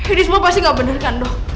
ini semua pasti nggak bener kan dok